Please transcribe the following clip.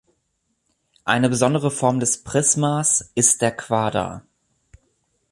Eine besondere Form des Prismas ist der Quader.